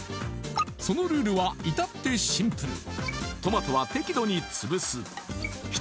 そのルールは至ってシンプル